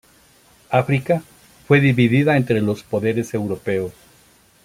África fue dividida entre los poderes europeos.